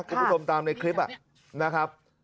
คุณผู้ชมตามในคลิปนะครับ